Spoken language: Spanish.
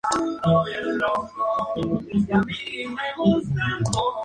Al igual que la telenovela "Senda prohibida" esta telenovela fue una producción de "Colgate-Palmolive".